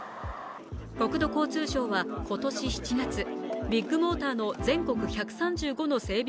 国土交通省は今年７月、ビッグモーターの全国１３５の整備